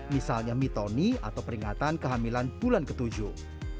misalnya mitoni atau peringatan kehamilan bulan ketujuh